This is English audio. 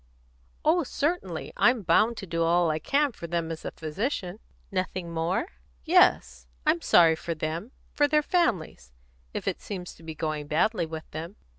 "Oh, certainly. I'm bound to do all I can for them as a physician." "Nothing more?" "Yes; I'm sorry for them for their families, if it seems to be going badly with them."